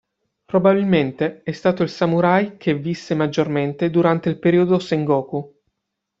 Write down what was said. Probabilmente è stato il samurai che visse maggiormente durante il periodo Sengoku.